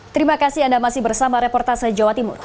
terima kasih anda masih bersama reportase jawa timur